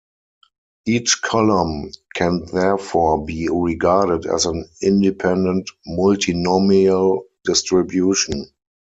Each column can therefore be regarded as an independent multinomial distribution.